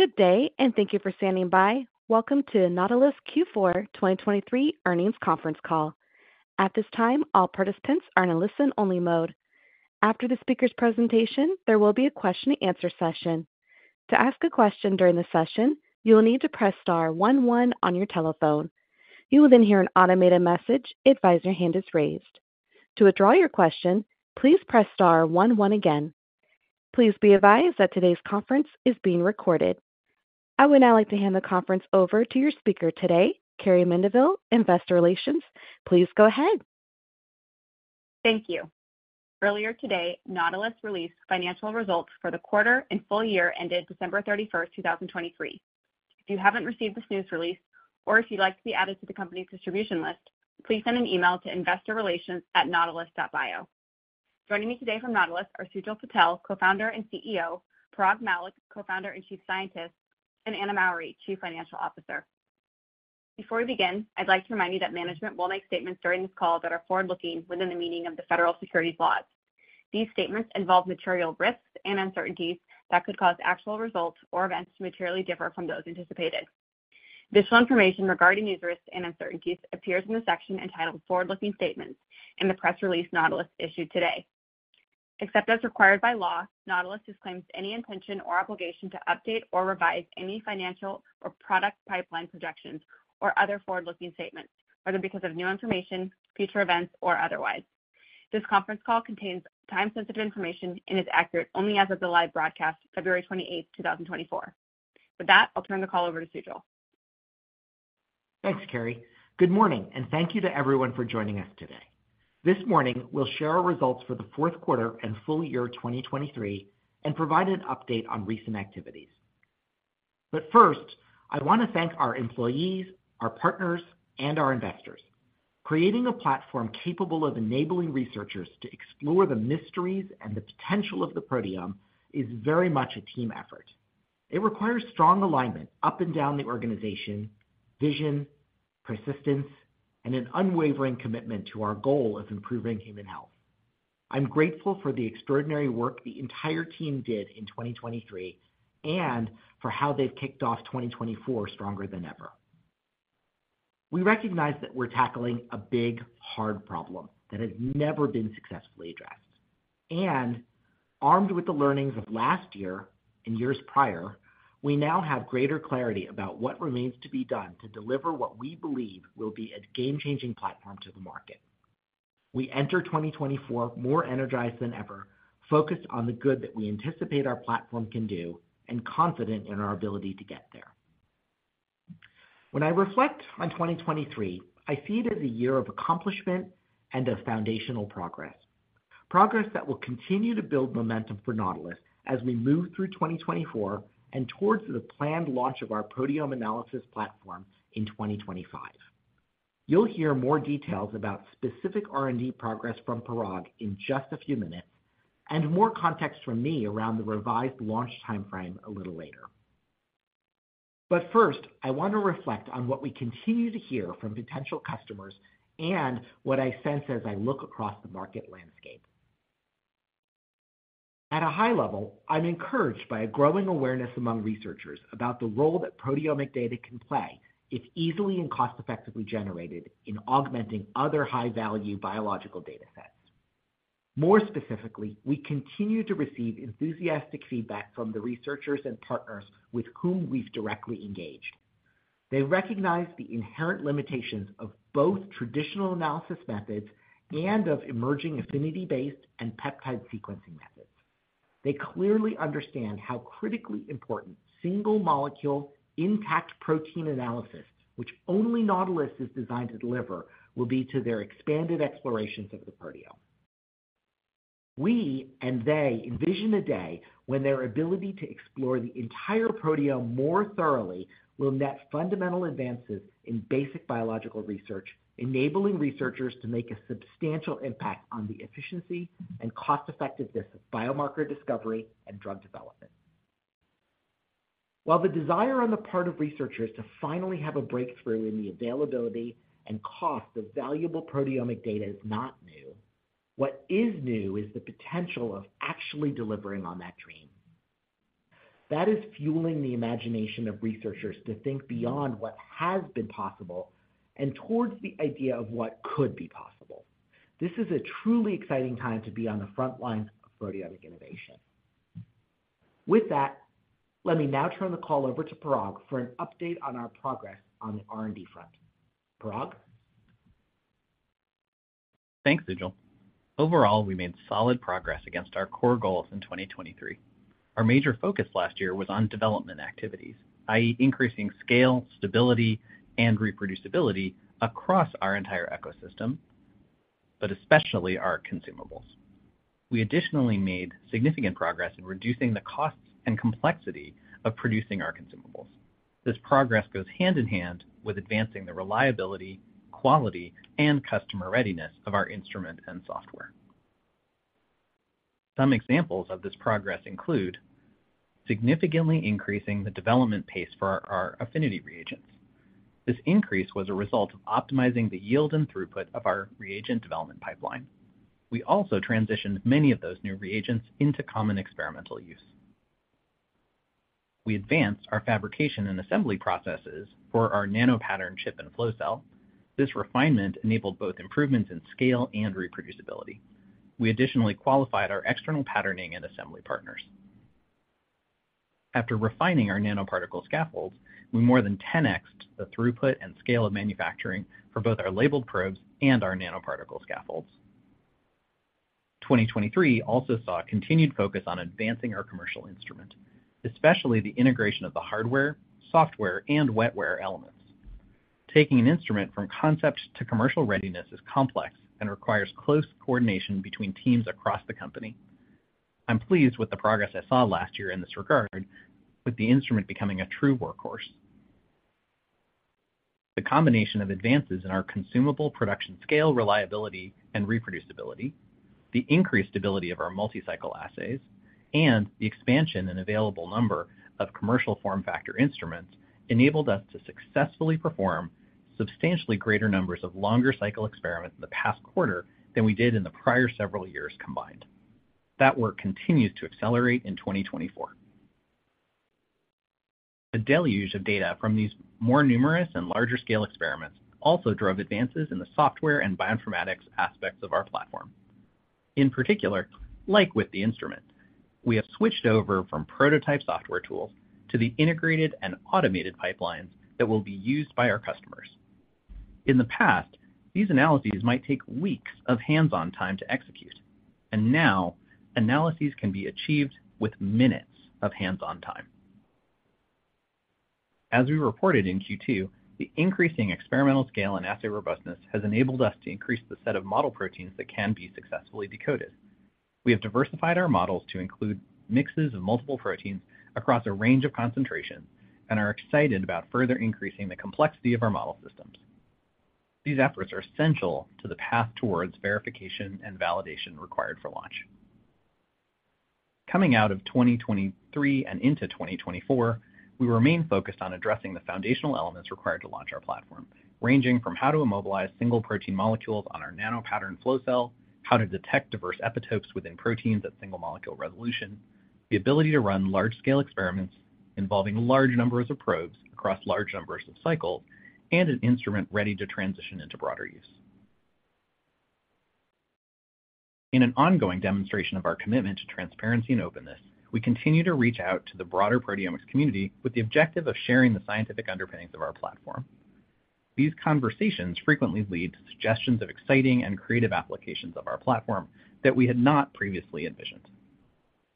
Good day and thank you for standing by. Welcome to Nautilus Q4 2023 earnings conference call. At this time, all participants are in a listen-only mode. After the speaker's presentation, there will be a question-and-answer session. To ask a question during the session, you will need to press star one one on your telephone. You will then hear an automated message advising your hand is raised. To withdraw your question, please press star one one again. Please be advised that today's conference is being recorded. I would now like to hand the conference over to your speaker today, Carrie Mendivil, Investor Relations. Please go ahead. Thank you. Earlier today, Nautilus released financial results for the quarter and full year ended December 31st, 2023. If you haven't received this news release, or if you'd like to be added to the company's distribution list, please send an email to investorrelations@nautilus.bio. Joining me today from Nautilus are Sujal Patel, co-founder and CEO, Parag Mallick, co-founder and Chief Scientist, and Anna Mowry, Chief Financial Officer. Before we begin, I'd like to remind you that management will make statements during this call that are forward-looking within the meaning of the federal securities laws. These statements involve material risks and uncertainties that could cause actual results or events to materially differ from those anticipated. Additional information regarding these risks and uncertainties appears in the section entitled "Forward-looking Statements" in the press release Nautilus issued today. Except as required by law, Nautilus disclaims any intention or obligation to update or revise any financial or product pipeline projections or other forward-looking statements, whether because of new information, future events, or otherwise. This conference call contains time-sensitive information and is accurate only as of the live broadcast, February 28th, 2024. With that, I'll turn the call over to Sujal. Thanks, Carrie. Good morning, and thank you to everyone for joining us today. This morning, we'll share our results for the fourth quarter and full year 2023 and provide an update on recent activities. But first, I want to thank our employees, our partners, and our investors. Creating a platform capable of enabling researchers to explore the mysteries and the potential of the proteome is very much a team effort. It requires strong alignment up and down the organization, vision, persistence, and an unwavering commitment to our goal of improving human health. I'm grateful for the extraordinary work the entire team did in 2023 and for how they've kicked off 2024 stronger than ever. We recognize that we're tackling a big, hard problem that has never been successfully addressed. Armed with the learnings of last year and years prior, we now have greater clarity about what remains to be done to deliver what we believe will be a game-changing platform to the market. We enter 2024 more energized than ever, focused on the good that we anticipate our platform can do, and confident in our ability to get there. When I reflect on 2023, I see it as a year of accomplishment and of foundational progress, progress that will continue to build momentum for Nautilus as we move through 2024 and towards the planned launch of our proteome analysis platform in 2025. You'll hear more details about specific R&D progress from Parag in just a few minutes, and more context from me around the revised launch timeframe a little later. But first, I want to reflect on what we continue to hear from potential customers and what I sense as I look across the market landscape. At a high level, I'm encouraged by a growing awareness among researchers about the role that proteomic data can play, if easily and cost-effectively generated, in augmenting other high-value biological data sets. More specifically, we continue to receive enthusiastic feedback from the researchers and partners with whom we've directly engaged. They recognize the inherent limitations of both traditional analysis methods and of emerging affinity-based and peptide sequencing methods. They clearly understand how critically important single-molecule, intact protein analysis, which only Nautilus is designed to deliver, will be to their expanded explorations of the proteome. We and they envision a day when their ability to explore the entire proteome more thoroughly will net fundamental advances in basic biological research, enabling researchers to make a substantial impact on the efficiency and cost-effectiveness of biomarker discovery and drug development. While the desire on the part of researchers to finally have a breakthrough in the availability and cost of valuable proteomic data is not new, what is new is the potential of actually delivering on that dream. That is fueling the imagination of researchers to think beyond what has been possible and towards the idea of what could be possible. This is a truly exciting time to be on the front lines of proteomic innovation. With that, let me now turn the call over to Parag for an update on our progress on the R&D front. Parag? Thanks, Sujal. Overall, we made solid progress against our core goals in 2023. Our major focus last year was on development activities, i.e., increasing scale, stability, and reproducibility across our entire ecosystem, but especially our consumables. We additionally made significant progress in reducing the costs and complexity of producing our consumables. This progress goes hand in hand with advancing the reliability, quality, and customer readiness of our instrument and software. Some examples of this progress include significantly increasing the development pace for our affinity reagents. This increase was a result of optimizing the yield and throughput of our reagent development pipeline. We also transitioned many of those new reagents into common experimental use. We advanced our fabrication and assembly processes for our nanopattern chip and flow cell. This refinement enabled both improvements in scale and reproducibility. We additionally qualified our external patterning and assembly partners. After refining our nanoparticle scaffolds, we more than 10x'ed the throughput and scale of manufacturing for both our labeled probes and our nanoparticle scaffolds. 2023 also saw continued focus on advancing our commercial instrument, especially the integration of the hardware, software, and wetware elements. Taking an instrument from concept to commercial readiness is complex and requires close coordination between teams across the company. I'm pleased with the progress I saw last year in this regard, with the instrument becoming a true workhorse. The combination of advances in our consumable production scale, reliability, and reproducibility, the increased stability of our multi-cycle assays, and the expansion in available number of commercial form factor instruments enabled us to successfully perform substantially greater numbers of longer-cycle experiments in the past quarter than we did in the prior several years combined. That work continues to accelerate in 2024. The deluge of data from these more numerous and larger-scale experiments also drove advances in the software and bioinformatics aspects of our platform. In particular, like with the instrument, we have switched over from prototype software tools to the integrated and automated pipelines that will be used by our customers. In the past, these analyses might take weeks of hands-on time to execute, and now analyses can be achieved with minutes of hands-on time. As we reported in Q2, the increasing experimental scale and assay robustness has enabled us to increase the set of model proteins that can be successfully decoded. We have diversified our models to include mixes of multiple proteins across a range of concentrations and are excited about further increasing the complexity of our model systems. These efforts are essential to the path towards verification and validation required for launch. Coming out of 2023 and into 2024, we remain focused on addressing the foundational elements required to launch our platform, ranging from how to immobilize single protein molecules on our nanopattern flow cell, how to detect diverse epitopes within proteins at single-molecule resolution, the ability to run large-scale experiments involving large numbers of probes across large numbers of cycles, and an instrument ready to transition into broader use. In an ongoing demonstration of our commitment to transparency and openness, we continue to reach out to the broader proteomics community with the objective of sharing the scientific underpinnings of our platform. These conversations frequently lead to suggestions of exciting and creative applications of our platform that we had not previously envisioned.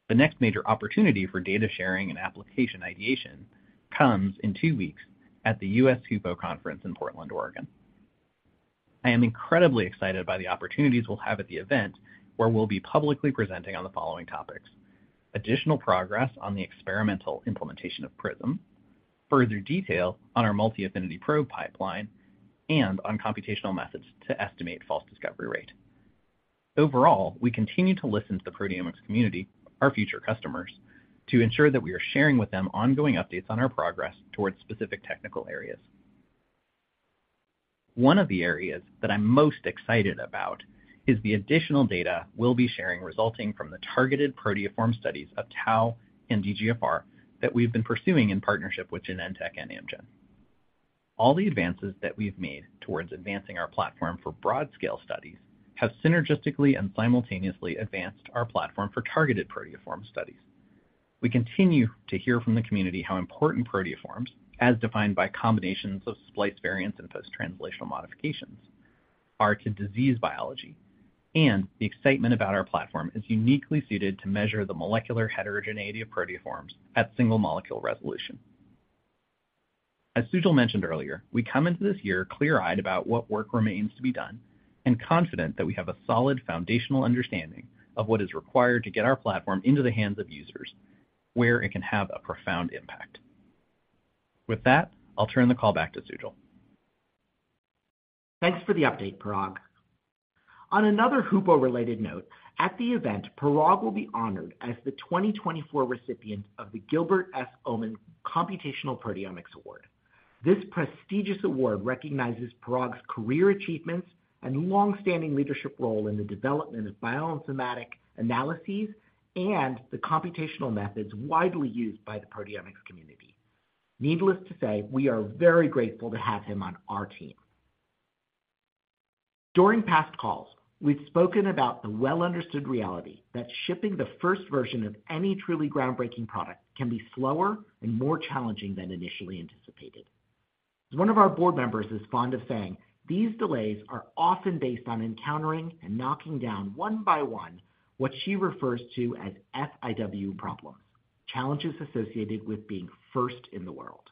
The next major opportunity for data sharing and application ideation comes in two weeks at the US HUPO conference in Portland, Oregon. I am incredibly excited by the opportunities we'll have at the event where we'll be publicly presenting on the following topics: additional progress on the experimental implementation of PRISM, further detail on our multi-affinity probe pipeline, and on computational methods to estimate false discovery rate. Overall, we continue to listen to the proteomics community, our future customers, to ensure that we are sharing with them ongoing updates on our progress towards specific technical areas. One of the areas that I'm most excited about is the additional data we'll be sharing resulting from the targeted proteoform studies of Tau and EGFR that we've been pursuing in partnership with Genentech and Amgen. All the advances that we've made towards advancing our platform for broad-scale studies have synergistically and simultaneously advanced our platform for targeted proteoform studies. We continue to hear from the community how important proteoforms, as defined by combinations of splice variants and post-translational modifications, are to disease biology, and the excitement about our platform is uniquely suited to measure the molecular heterogeneity of proteoforms at single-molecule resolution. As Sujal mentioned earlier, we come into this year clear-eyed about what work remains to be done and confident that we have a solid foundational understanding of what is required to get our platform into the hands of users, where it can have a profound impact. With that, I'll turn the call back to Sujal. Thanks for the update, Parag. On another HUPO-related note, at the event, Parag will be honored as the 2024 recipient of the Gilbert S. Omenn Computational Proteomics Award. This prestigious award recognizes Parag's career achievements and longstanding leadership role in the development of bioinformatics analyses and the computational methods widely used by the proteomics community. Needless to say, we are very grateful to have him on our team. During past calls, we've spoken about the well-understood reality that shipping the first version of any truly groundbreaking product can be slower and more challenging than initially anticipated. One of our board members is fond of saying these delays are often based on encountering and knocking down one by one what she refers to as FIW problems, challenges associated with being first in the world.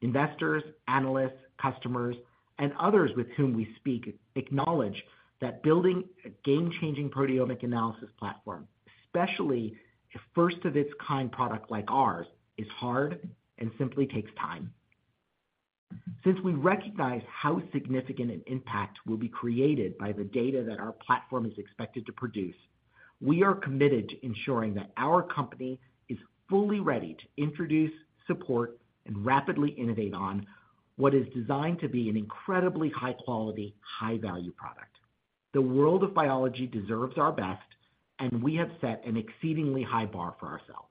Investors, analysts, customers, and others with whom we speak acknowledge that building a game-changing proteomic analysis platform, especially a first-of-its-kind product like ours, is hard and simply takes time. Since we recognize how significant an impact will be created by the data that our platform is expected to produce, we are committed to ensuring that our company is fully ready to introduce, support, and rapidly innovate on what is designed to be an incredibly high-quality, high-value product. The world of biology deserves our best, and we have set an exceedingly high bar for ourselves.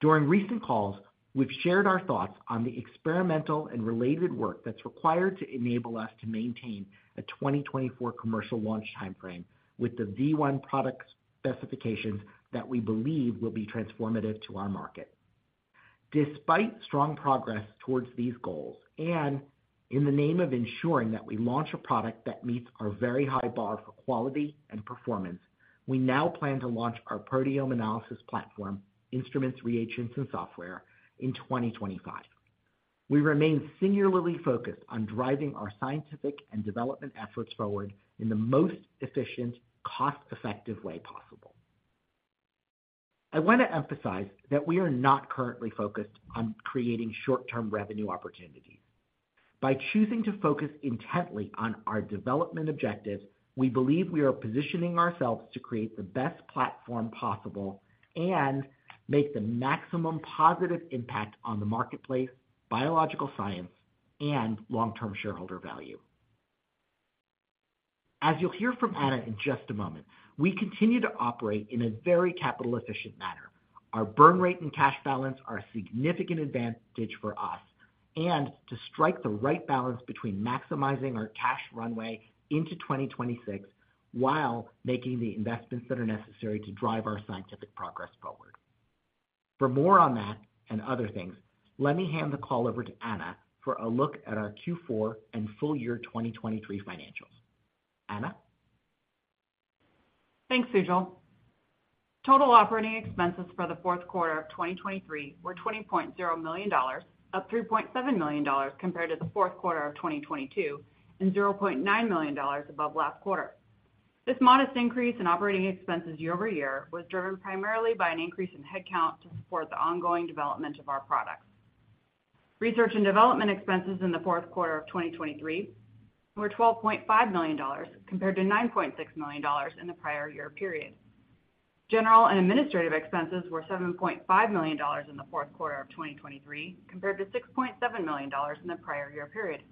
During recent calls, we've shared our thoughts on the experimental and related work that's required to enable us to maintain a 2024 commercial launch timeframe with the V1 product specifications that we believe will be transformative to our market. Despite strong progress towards these goals and in the name of ensuring that we launch a product that meets our very high bar for quality and performance, we now plan to launch our proteome analysis platform, instruments, reagents, and software in 2025. We remain singularly focused on driving our scientific and development efforts forward in the most efficient, cost-effective way possible. I want to emphasize that we are not currently focused on creating short-term revenue opportunities. By choosing to focus intently on our development objectives, we believe we are positioning ourselves to create the best platform possible and make the maximum positive impact on the marketplace, biological science, and long-term shareholder value. As you'll hear from Anna in just a moment, we continue to operate in a very capital-efficient manner. Our burn rate and cash balance are a significant advantage for us and to strike the right balance between maximizing our cash runway into 2026 while making the investments that are necessary to drive our scientific progress forward. For more on that and other things, let me hand the call over to Anna for a look at our Q4 and full-year 2023 financials. Anna? Thanks, Sujal. Total operating expenses for the fourth quarter of 2023 were $20.0 million, up $3.7 million compared to the fourth quarter of 2022 and $0.9 million above last quarter. This modest increase in operating expenses year-over-year was driven primarily by an increase in headcount to support the ongoing development of our products. Research and development expenses in the fourth quarter of 2023 were $12.5 million compared to $9.6 million in the prior year period. General and administrative expenses were $7.5 million in the fourth quarter of 2023 compared to $6.7 million in the prior year period.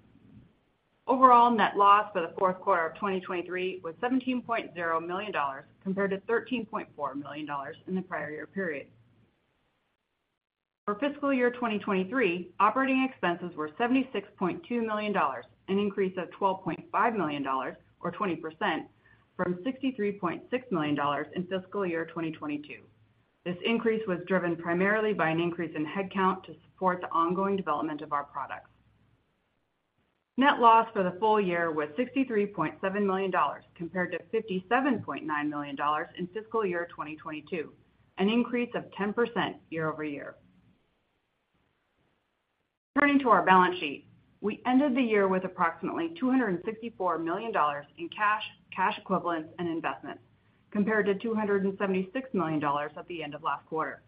Overall net loss for the fourth quarter of 2023 was $17.0 million compared to $13.4 million in the prior year period. For fiscal year 2023, operating expenses were $76.2 million, an increase of $12.5 million or 20%, from $63.6 million in fiscal year 2022. This increase was driven primarily by an increase in headcount to support the ongoing development of our products. Net loss for the full year was $63.7 million compared to $57.9 million in fiscal year 2022, an increase of 10% year-over-year. Turning to our balance sheet, we ended the year with approximately $264 million in cash, cash equivalents, and investments compared to $276 million at the end of last quarter.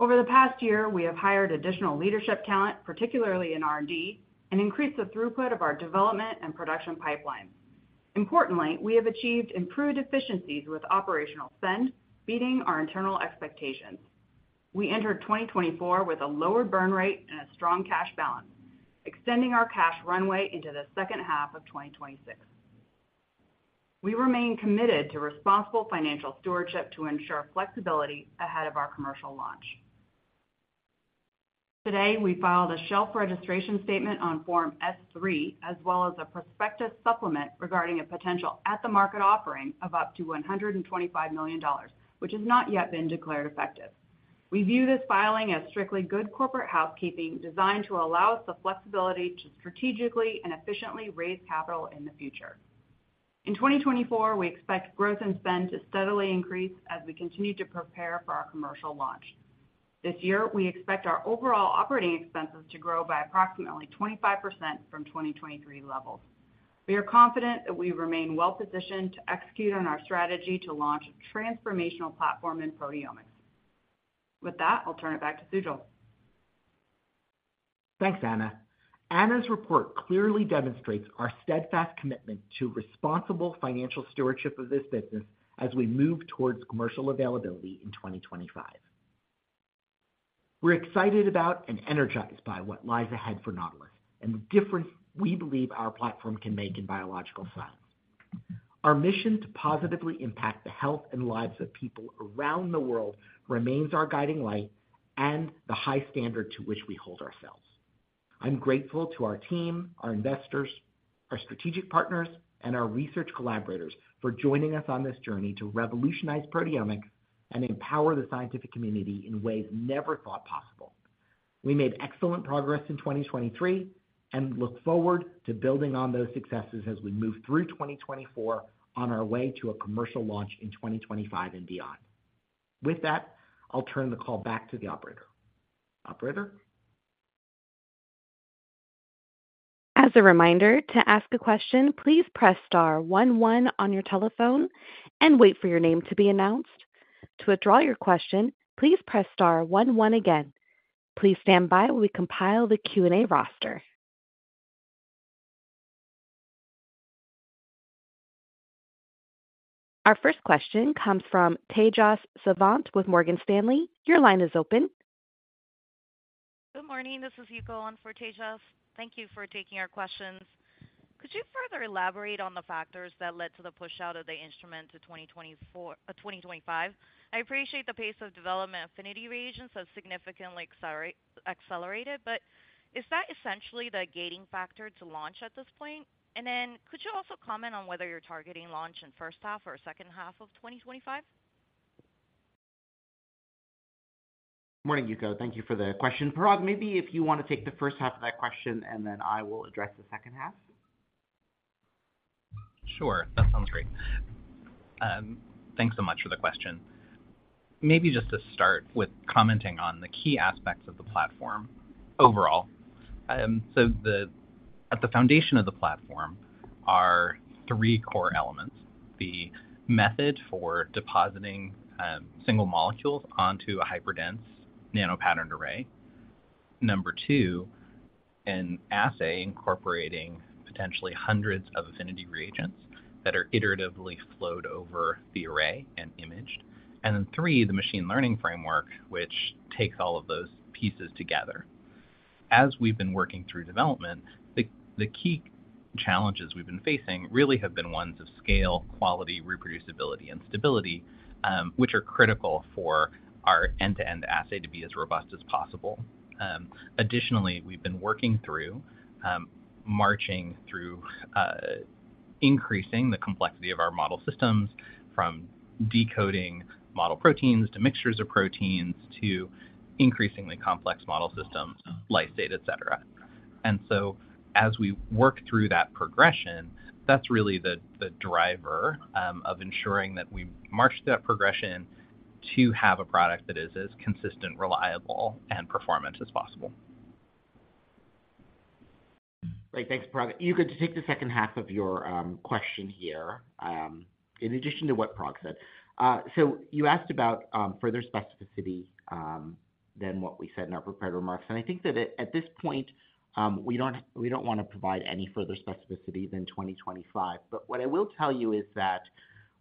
Over the past year, we have hired additional leadership talent, particularly in R&D, and increased the throughput of our development and production pipelines. Importantly, we have achieved improved efficiencies with operational spend, beating our internal expectations. We entered 2024 with a lower burn rate and a strong cash balance, extending our cash runway into the second half of 2026. We remain committed to responsible financial stewardship to ensure flexibility ahead of our commercial launch. Today, we filed a shelf registration statement on Form S-3 as well as a prospectus supplement regarding a potential at-the-market offering of up to $125 million, which has not yet been declared effective. We view this filing as strictly good corporate housekeeping designed to allow us the flexibility to strategically and efficiently raise capital in the future. In 2024, we expect growth in spend to steadily increase as we continue to prepare for our commercial launch. This year, we expect our overall operating expenses to grow by approximately 25% from 2023 levels. We are confident that we remain well-positioned to execute on our strategy to launch a transformational platform in proteomics. With that, I'll turn it back to Sujal. Thanks, Anna. Anna's report clearly demonstrates our steadfast commitment to responsible financial stewardship of this business as we move towards commercial availability in 2025. We're excited about and energized by what lies ahead for Nautilus and the difference we believe our platform can make in biological science. Our mission to positively impact the health and lives of people around the world remains our guiding light and the high standard to which we hold ourselves. I'm grateful to our team, our investors, our strategic partners, and our research collaborators for joining us on this journey to revolutionize proteomics and empower the scientific community in ways never thought possible. We made excellent progress in 2023 and look forward to building on those successes as we move through 2024 on our way to a commercial launch in 2025 and beyond. With that, I'll turn the call back to the operator. Operator? As a reminder, to ask a question, please press star one one on your telephone and wait for your name to be announced. To withdraw your question, please press star one one again. Please stand by while we compile the Q&A roster. Our first question comes from Tejas Savant with Morgan Stanley. Your line is open. Good morning. This is Yuko on for Tejas. Thank you for taking our questions. Could you further elaborate on the factors that led to the push out of the instrument to 2024-2025? I appreciate the pace of development. Affinity reagents have significantly accelerated, but is that essentially the gating factor to launch at this point? And then could you also comment on whether you're targeting launch in first half or second half of 2025? Good morning, Yuko. Thank you for the question. Parag, maybe if you want to take the first half of that question, and then I will address the second half. Sure. That sounds great. Thanks so much for the question. Maybe just to start with commenting on the key aspects of the platform overall. So at the foundation of the platform are three core elements: the method for depositing single molecules onto a hyperdense nanopatterned array, number two, an assay incorporating potentially hundreds of affinity reagents that are iteratively flowed over the array and imaged, and then, three, the machine learning framework, which takes all of those pieces together. As we've been working through development, the key challenges we've been facing really have been ones of scale, quality, reproducibility, and stability, which are critical for our end-to-end assay to be as robust as possible. Additionally, we've been working through marching through increasing the complexity of our model systems, from decoding model proteins to mixtures of proteins to increasingly complex model systems, lysate, etc. As we work through that progression, that's really the driver of ensuring that we march that progression to have a product that is as consistent, reliable, and performant as possible. Great. Thanks, Parag. Yuko, to take the second half of your question here, in addition to what Parag said. So you asked about further specificity than what we said in our prepared remarks. And I think that at this point, we don't want to provide any further specificity than 2025. But what I will tell you is that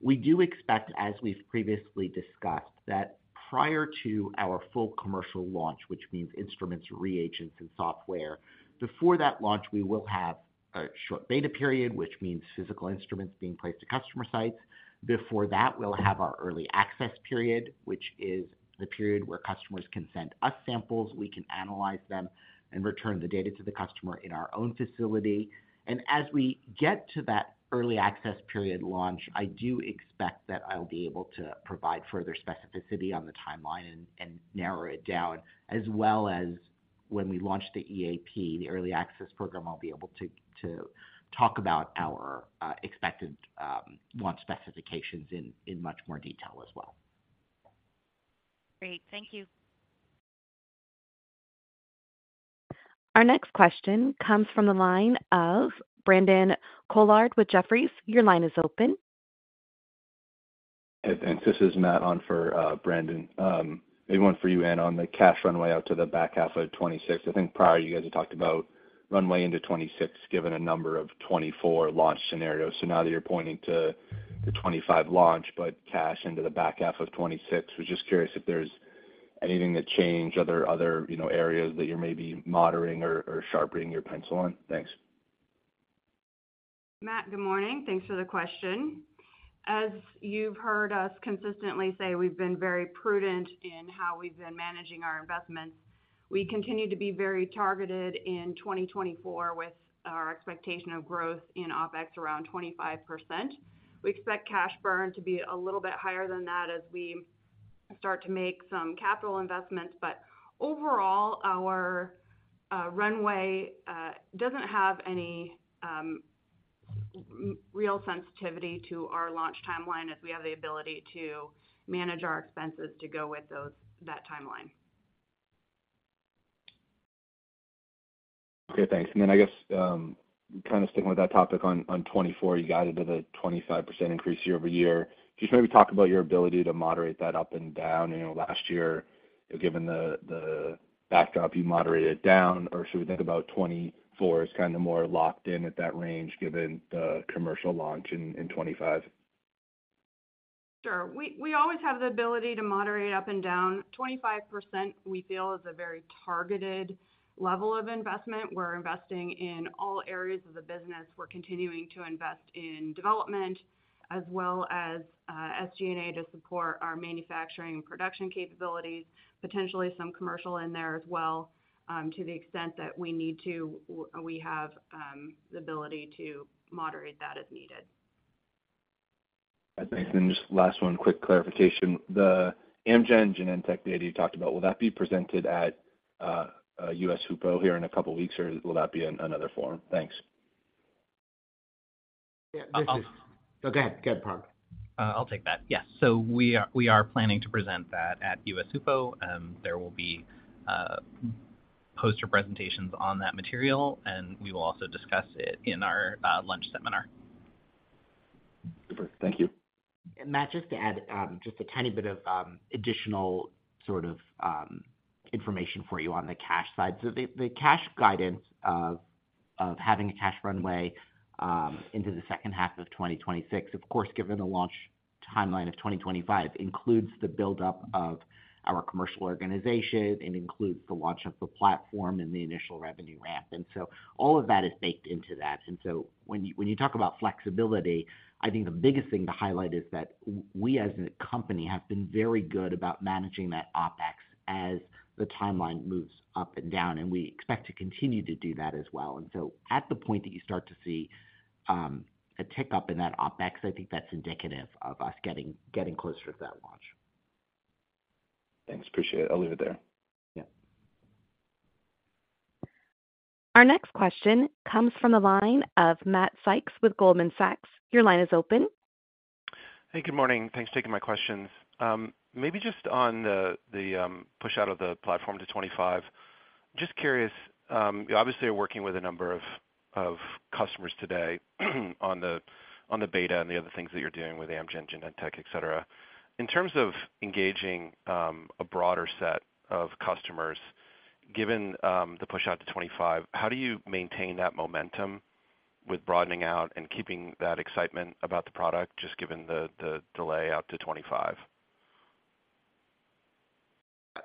we do expect, as we've previously discussed, that prior to our full commercial launch, which means instruments, reagents, and software, before that launch, we will have a short beta period, which means physical instruments being placed at customer sites. Before that, we'll have our early access period, which is the period where customers can send us samples, we can analyze them, and return the data to the customer in our own facility. As we get to that early access period launch, I do expect that I'll be able to provide further specificity on the timeline and narrow it down. As well as when we launch the EAP, the early access program, I'll be able to talk about our expected launch specifications in much more detail as well. Great. Thank you. Our next question comes from the line of Brandon Couillard with Jefferies. Your line is open. This is Matt on for Brandon. Maybe one for you, Anna, on the cash runway out to the back half of 2026. I think prior, you guys had talked about runway into 2026 given a number of 2024 launch scenarios. So now that you're pointing to the 2025 launch but cash into the back half of 2026, we're just curious if there's anything that changed, other areas that you're maybe moderating or sharpening your pencil on. Thanks. Matt, good morning. Thanks for the question. As you've heard us consistently say, we've been very prudent in how we've been managing our investments. We continue to be very targeted in 2024 with our expectation of growth in OpEx around 25%. We expect cash burn to be a little bit higher than that as we start to make some capital investments. But overall, our runway doesn't have any real sensitivity to our launch timeline as we have the ability to manage our expenses to go with that timeline. Okay. Thanks. And then I guess kind of sticking with that topic on 2024, you got into the 25% increase year-over-year. Could you just maybe talk about your ability to moderate that up and down? Last year, given the backdrop, you moderated it down. Or should we think about 2024 as kind of more locked in at that range given the commercial launch in 2025? Sure. We always have the ability to moderate up and down 25%, we feel, is a very targeted level of investment. We're investing in all areas of the business. We're continuing to invest in development as well as SG&A to support our manufacturing and production capabilities, potentially some commercial in there as well, to the extent that we need to, we have the ability to moderate that as needed. All right. Thanks. And then just last one, quick clarification. The Amgen Genentech data you talked about, will that be presented at US HUPO here in a couple of weeks, or will that be another form? Thanks. Yeah. This is- Oh, go ahead. Go ahead, Parag. I'll take that. Yes. So we are planning to present that at US HUPO. There will be poster presentations on that material, and we will also discuss it in our lunch seminar. Super. Thank you. Matt, just to add a tiny bit of additional sort of information for you on the cash side. So the cash guidance of having a cash runway into the second half of 2026, of course, given the launch timeline of 2025, includes the buildup of our commercial organization. It includes the launch of the platform and the initial revenue ramp. And so all of that is baked into that. And so when you talk about flexibility, I think the biggest thing to highlight is that we, as a company, have been very good about managing that OpEx as the timeline moves up and down. And we expect to continue to do that as well. And so at the point that you start to see a tick-up in that OpEx, I think that's indicative of us getting closer to that launch. Thanks. Appreciate it. I'll leave it there. Yeah. Our next question comes from the line of Matt Sykes with Goldman Sachs. Your line is open. Hey. Good morning. Thanks for taking my questions. Maybe just on the push out of the platform to 2025, just curious. Obviously, you're working with a number of customers today on the beta and the other things that you're doing with Amgen, Genentech, etc. In terms of engaging a broader set of customers, given the push out to 2025, how do you maintain that momentum with broadening out and keeping that excitement about the product, just given the delay out to 2025?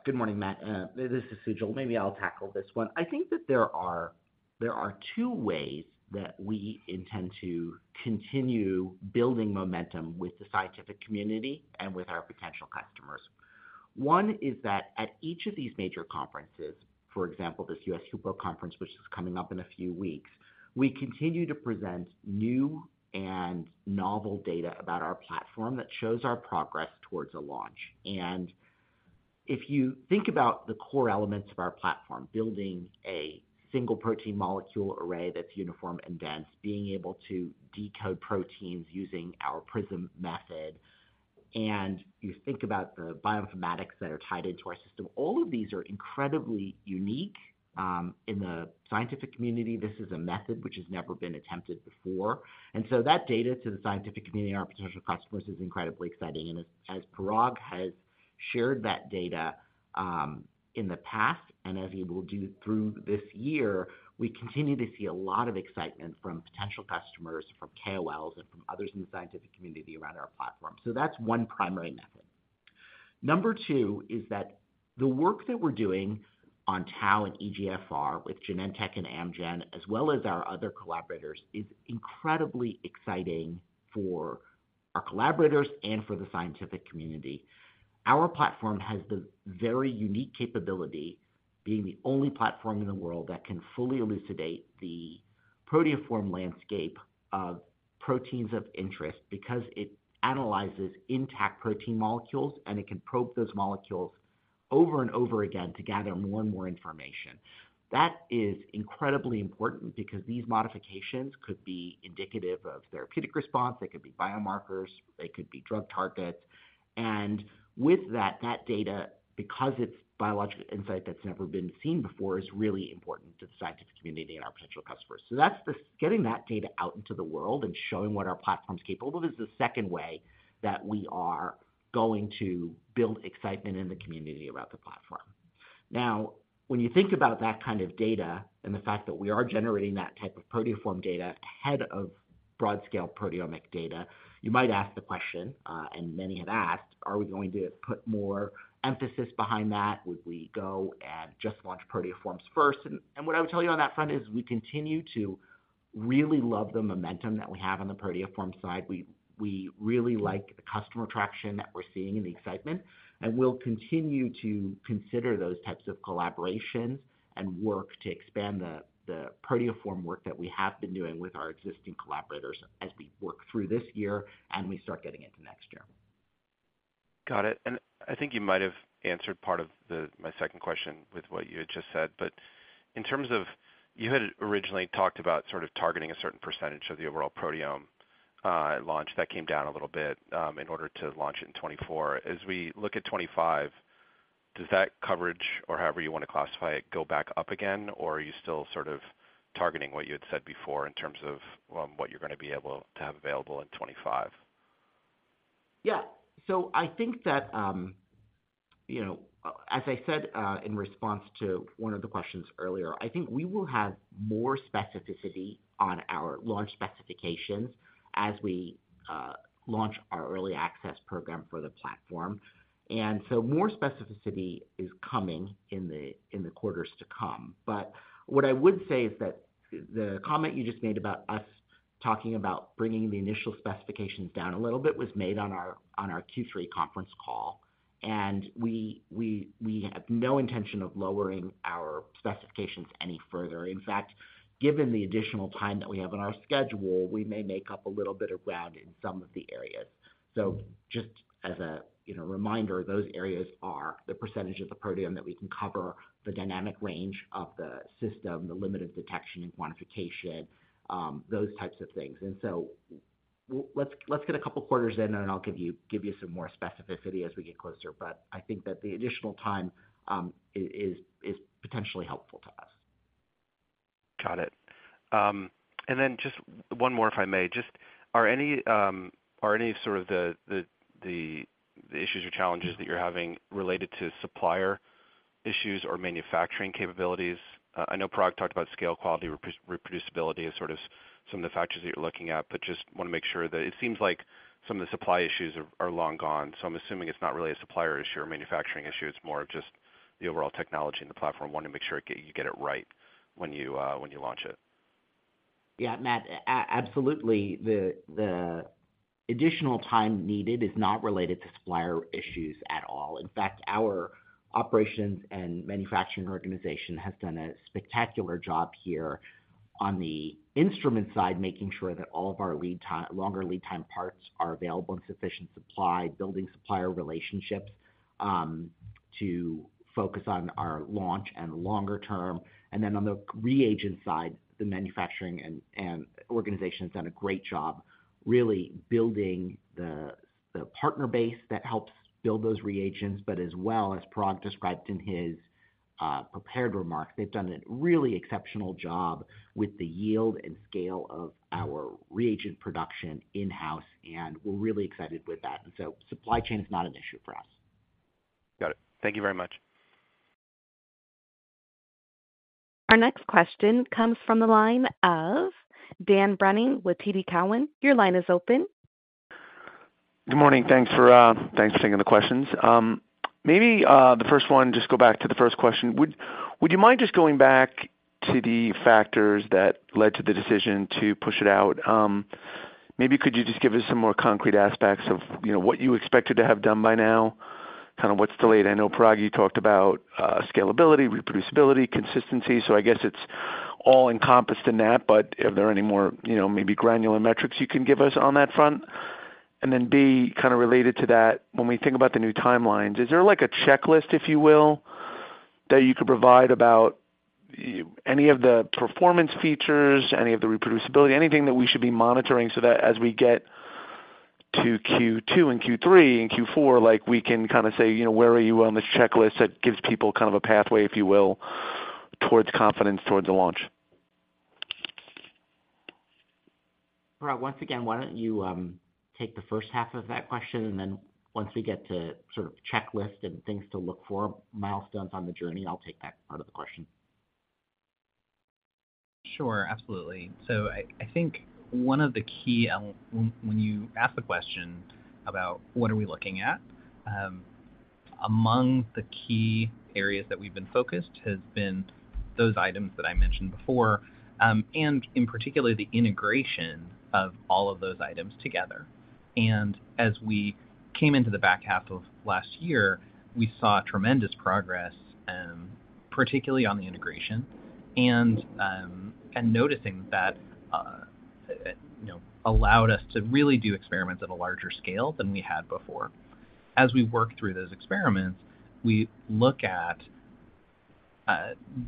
Good morning, Matt. This is Sujal. Maybe I'll tackle this one. I think that there are two ways that we intend to continue building momentum with the scientific community and with our potential customers. One is that at each of these major conferences, for example, this US HUPO conference, which is coming up in a few weeks, we continue to present new and novel data about our platform that shows our progress towards a launch. And if you think about the core elements of our platform, building a single protein molecule array that's uniform and dense, being able to decode proteins using our PRISM method, and you think about the bioinformatics that are tied into our system, all of these are incredibly unique in the scientific community. This is a method which has never been attempted before. And so that data to the scientific community and our potential customers is incredibly exciting. And as Parag has shared that data in the past and as he will do through this year, we continue to see a lot of excitement from potential customers, from KOLs, and from others in the scientific community around our platform. So that's one primary method. Number two is that the work that we're doing on Tau and EGFR with Genentech and Amgen, as well as our other collaborators, is incredibly exciting for our collaborators and for the scientific community. Our platform has the very unique capability, being the only platform in the world that can fully elucidate the proteoform landscape of proteins of interest because it analyzes intact protein molecules, and it can probe those molecules over and over again to gather more and more information. That is incredibly important because these modifications could be indicative of therapeutic response. They could be biomarkers. They could be drug targets. And with that, that data, because it's biological insight that's never been seen before, is really important to the scientific community and our potential customers. So getting that data out into the world and showing what our platform's capable of is the second way that we are going to build excitement in the community about the platform. Now, when you think about that kind of data and the fact that we are generating that type of proteoform data ahead of broad-scale proteomic data, you might ask the question, and many have asked, "Are we going to put more emphasis behind that? Would we go and just launch proteoforms first?" And what I would tell you on that front is we continue to really love the momentum that we have on the proteoform side. We really like the customer traction that we're seeing and the excitement. And we'll continue to consider those types of collaborations and work to expand the proteoform work that we have been doing with our existing collaborators as we work through this year and we start getting into next year. Got it. And I think you might have answered part of my second question with what you had just said. But in terms of you had originally talked about sort of targeting a certain percentage of the overall proteome launch. That came down a little bit in order to launch it in 2024. As we look at 2025, does that coverage, or however you want to classify it, go back up again, or are you still sort of targeting what you had said before in terms of what you're going to be able to have available in 2025? Yeah. So I think that, as I said in response to one of the questions earlier, I think we will have more specificity on our launch specifications as we launch our early access program for the platform. And so more specificity is coming in the quarters to come. But what I would say is that the comment you just made about us talking about bringing the initial specifications down a little bit was made on our Q3 conference call. And we have no intention of lowering our specifications any further. In fact, given the additional time that we have on our schedule, we may make up a little bit of ground in some of the areas. So just as a reminder, those areas are the percentage of the proteome that we can cover, the dynamic range of the system, the limit of detection and quantification, those types of things. And so let's get a couple of quarters in, and I'll give you some more specificity as we get closer. But I think that the additional time is potentially helpful to us. Got it. And then just one more, if I may. Just are any sort of the issues or challenges that you're having related to supplier issues or manufacturing capabilities? I know Parag talked about scale, quality, reproducibility as sort of some of the factors that you're looking at, but just want to make sure that it seems like some of the supply issues are long gone. So I'm assuming it's not really a supplier issue or manufacturing issue. It's more of just the overall technology in the platform. Wanting to make sure you get it right when you launch it. Yeah, Matt. Absolutely. The additional time needed is not related to supplier issues at all. In fact, our operations and manufacturing organization has done a spectacular job here on the instrument side, making sure that all of our longer lead-time parts are available in sufficient supply, building supplier relationships to focus on our launch and longer term. And then on the reagent side, the manufacturing organization has done a great job really building the partner base that helps build those reagents. But as well as Parag described in his prepared remarks, they've done a really exceptional job with the yield and scale of our reagent production in-house. And we're really excited with that. And so supply chain is not an issue for us. Got it. Thank you very much. Our next question comes from the line of Dan Brennan with TD Cowen. Your line is open. Good morning. Thanks for taking the questions. Maybe the first one, just go back to the first question. Would you mind just going back to the factors that led to the decision to push it out? Maybe could you just give us some more concrete aspects of what you expected to have done by now, kind of what's delayed? I know, Parag, you talked about scalability, reproducibility, consistency. So I guess it's all encompassed in that, but are there any more maybe granular metrics you can give us on that front? And then B, kind of related to that, when we think about the new timelines, is there a checklist, if you will, that you could provide about any of the performance features, any of the reproducibility, anything that we should be monitoring so that as we get to Q2 and Q3 and Q4, we can kind of say, "Where are you on this checklist?" that gives people kind of a pathway, if you will, towards confidence towards a launch? Parag, once again, why don't you take the first half of that question? And then once we get to sort of checklist and things to look for, milestones on the journey, I'll take that part of the question. Sure. Absolutely. So I think one of the key, when you ask the question about what are we looking at, among the key areas that we've been focused has been those items that I mentioned before and, in particular, the integration of all of those items together. As we came into the back half of last year, we saw tremendous progress, particularly on the integration, and noticing that allowed us to really do experiments at a larger scale than we had before. As we work through those experiments, we look at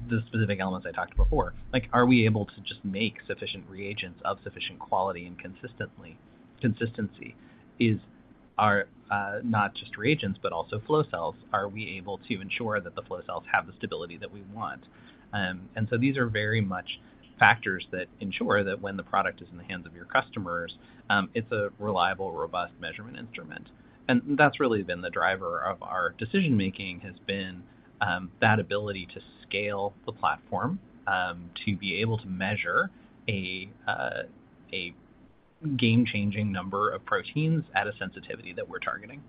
the specific elements I talked about before. Are we able to just make sufficient reagents of sufficient quality and consistency? Is not just reagents but also flow cells, are we able to ensure that the flow cells have the stability that we want? And so these are very much factors that ensure that when the product is in the hands of your customers, it's a reliable, robust measurement instrument. And that's really been the driver of our decision-making, has been that ability to scale the platform to be able to measure a game-changing number of proteins at a sensitivity that we're targeting.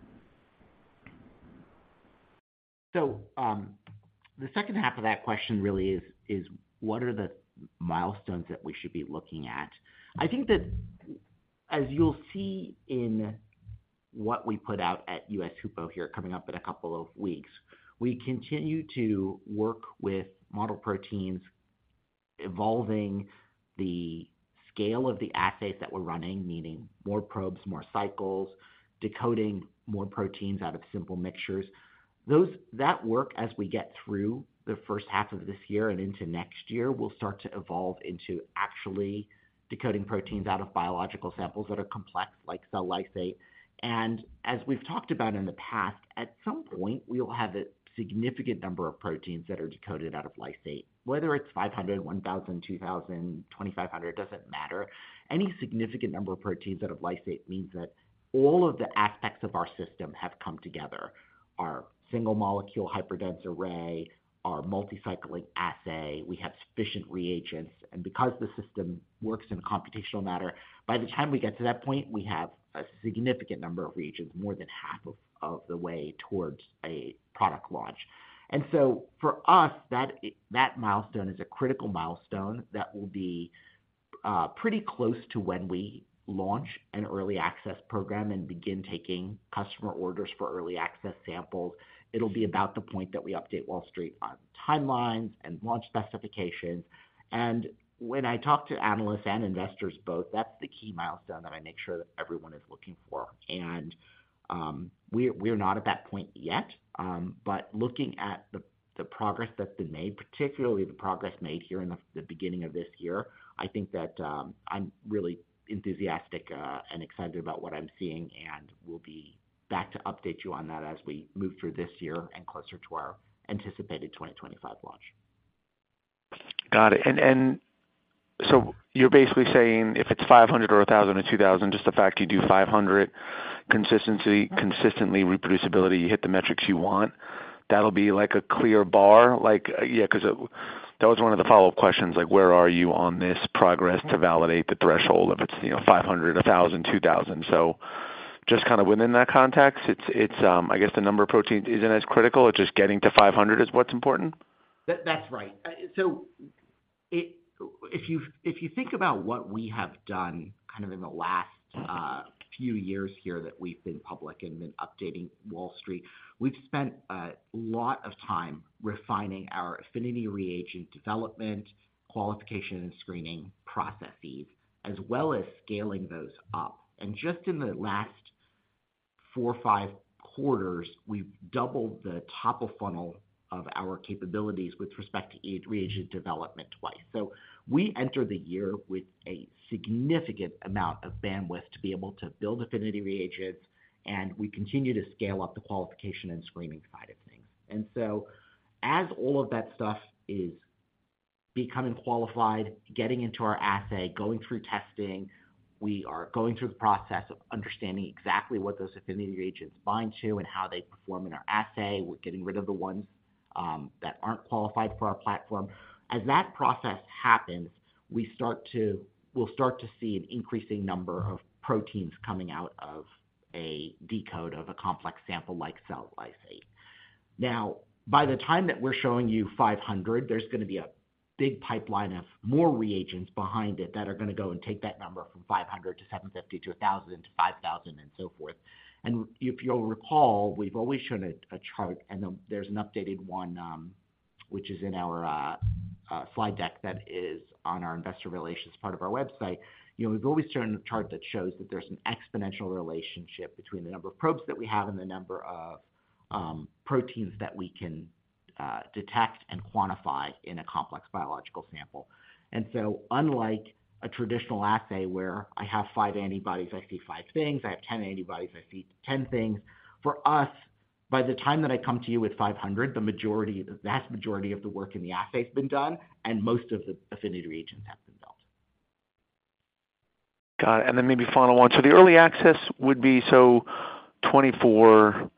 So the second half of that question really is, what are the milestones that we should be looking at? I think that, as you'll see in what we put out at US HUPO here, coming up in a couple of weeks, we continue to work with model proteins, evolving the scale of the assays that we're running, meaning more probes, more cycles, decoding more proteins out of simple mixtures. That work, as we get through the first half of this year and into next year, will start to evolve into actually decoding proteins out of biological samples that are complex, like cell lysate. And as we've talked about in the past, at some point, we'll have a significant number of proteins that are decoded out of lysate. Whether it's 500, 1,000, 2,000, 2,500, it doesn't matter. Any significant number of proteins out of lysate means that all of the aspects of our system have come together. Our single-molecule hyperdense array, our multi-cycling assay, we have sufficient reagents. And because the system works in a computational manner, by the time we get to that point, we have a significant number of reagents, more than half of the way, towards a product launch. And so for us, that milestone is a critical milestone that will be pretty close to when we launch an early access program and begin taking customer orders for early access samples. It'll be about the point that we update Wall Street on timelines and launch specifications. And when I talk to analysts and investors both, that's the key milestone that I make sure that everyone is looking for. And we're not at that point yet. But looking at the progress that's been made, particularly the progress made here in the beginning of this year, I think that I'm really enthusiastic and excited about what I'm seeing. We'll be back to update you on that as we move through this year and closer to our anticipated 2025 launch. Got it. So you're basically saying, if it's 500 or 1,000 or 2,000, just the fact you do 500, consistency, consistently reproducibility, you hit the metrics you want, that'll be a clear bar? Yeah, because that was one of the follow-up questions, where are you on this progress to validate the threshold if it's 500, 1,000, 2,000? So just kind of within that context, I guess the number of proteins isn't as critical. It's just getting to 500 is what's important? That's right. So if you think about what we have done kind of in the last few years here that we've been public and been updating Wall Street, we've spent a lot of time refining our affinity reagent development, qualification, and screening processes, as well as scaling those up. And just in the last 4-5 quarters, we've doubled the top of funnel of our capabilities with respect to reagent development twice. So we enter the year with a significant amount of bandwidth to be able to build affinity reagents. And we continue to scale up the qualification and screening side of things. And so as all of that stuff is becoming qualified, getting into our assay, going through testing, we are going through the process of understanding exactly what those affinity reagents bind to and how they perform in our assay. We're getting rid of the ones that aren't qualified for our platform. As that process happens, we'll start to see an increasing number of proteins coming out of a decode of a complex sample like cell lysate. Now, by the time that we're showing you 500, there's going to be a big pipeline of more reagents behind it that are going to go and take that number from 500-750 to 1,000-5,000 and so forth. And if you'll recall, we've always shown a chart. And there's an updated one, which is in our slide deck that is on our investor relations part of our website. We've always shown a chart that shows that there's an exponential relationship between the number of probes that we have and the number of proteins that we can detect and quantify in a complex biological sample. And so unlike a traditional assay where I have 5 antibodies, I see 5 things. I have 10 antibodies, I see 10 things. For us, by the time that I come to you with 500, the vast majority of the work in the assay has been done, and most of the affinity reagents have been built. Got it. And then maybe final one. So the early access would be so 2024,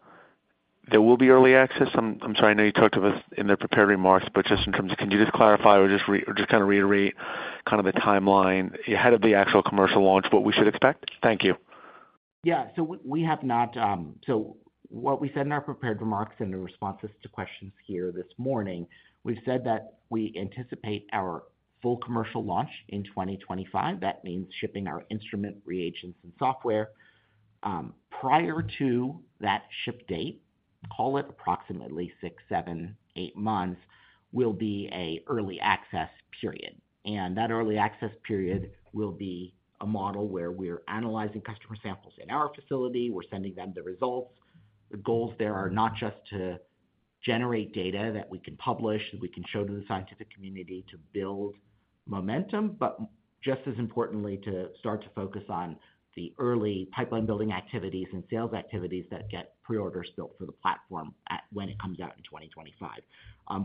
there will be early access? I'm sorry. I know you talked to us in the prepared remarks, but just in terms of can you just clarify or just kind of reiterate kind of the timeline ahead of the actual commercial launch, what we should expect? Thank you. Yeah. So what we said in our prepared remarks and in responses to questions here this morning, we've said that we anticipate our full commercial launch in 2025. That means shipping our instrument, reagents, and software. Prior to that ship date, call it approximately 6, 7, 8 months, will be an early access period. And that early access period will be a model where we're analyzing customer samples in our facility. We're sending them the results. The goals there are not just to generate data that we can publish, that we can show to the scientific community to build momentum, but just as importantly, to start to focus on the early pipeline-building activities and sales activities that get pre-orders built for the platform when it comes out in 2025.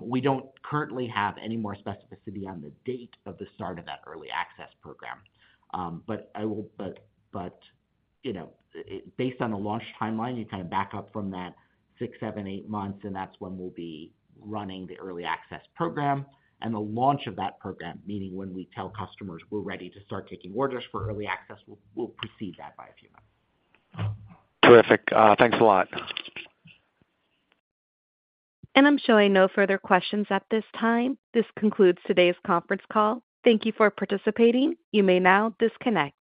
We don't currently have any more specificity on the date of the start of that early access program. Based on the launch timeline, you kind of back up from that 6-8 months, and that's when we'll be running the early access program. The launch of that program, meaning when we tell customers we're ready to start taking orders for early access, we'll precede that by a few months. Terrific. Thanks a lot. I'm showing no further questions at this time. This concludes today's conference call. Thank you for participating. You may now disconnect.